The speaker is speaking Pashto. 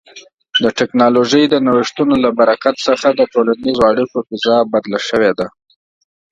د ټکنالوژۍ د نوښتونو له برکت څخه د ټولنیزو اړیکو فضا بدله شوې ده.